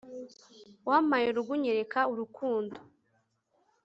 wampaye urugo unyereka urukundo